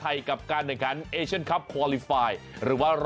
เอ้าเพื่อนก็กินไม่ได้